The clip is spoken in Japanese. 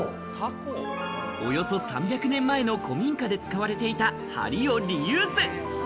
およそ３００年前の古民家で使われていたはりをリユース。